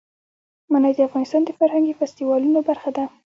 منی د افغانستان د فرهنګي فستیوالونو برخه ده.